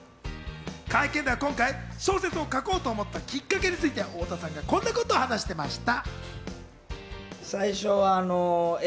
会見では今回、小説を書こうと思ったきっかけについて、太田さんがこんなことを話していました。